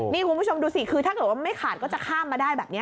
นี่คุณผู้ชมดูสิคือถ้าเกิดว่าไม่ขาดก็จะข้ามมาได้แบบนี้